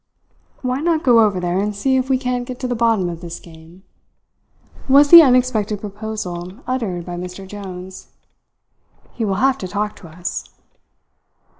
"Why not go over there and see if we can't get to the bottom of this game?" was the unexpected proposal uttered by Mr. Jones. "He will have to talk to us."